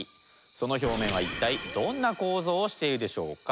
その表面は一体どんな構造をしているでしょうか。